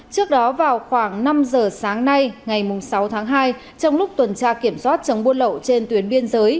trước đó vào khoảng năm giờ sáng nay ngày sáu tháng hai trong lúc tuần tra kiểm soát chống buôn lậu trên tuyến biên giới